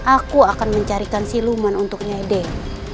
aku akan mencarikan siluman untuk nyai dewi